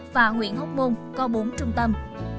và huyện hốc môn có bốn trung tâm